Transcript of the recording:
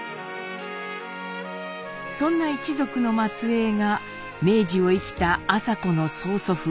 そんな一族の末えいが明治を生きた麻子の曽祖父